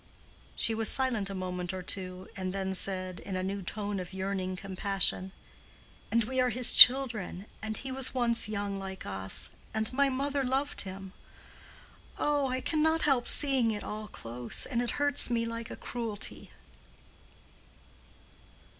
She was silent a moment or two, and then said, in a new tone of yearning compassion, "And we are his children—and he was once young like us—and my mother loved him. Oh! I cannot help seeing it all close, and it hurts me like a cruelty."